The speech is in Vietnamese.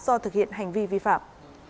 do thực hiện hành vi vi phạm